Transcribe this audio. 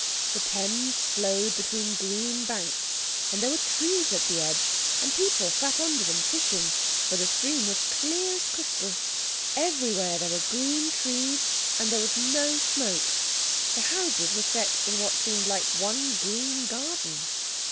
The Thames flowed between green banks, and there were trees at the edge, and people sat under them, fishing, for the stream was clear as crystal. Everywhere there were green trees and there was no smoke. The houses were set in what seemed like one green garden.